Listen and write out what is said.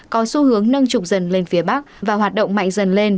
có xu hướng nâng trục dần lên phía bắc và hoạt động mạnh dần lên